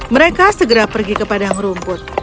mereka segera pergi ke padang rumput